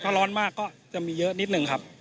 ถ้าร้อนมากก็จะมีเยอะนิดนึงครับ